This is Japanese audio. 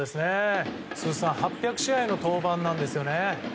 通算８００試合の登板なんですよね。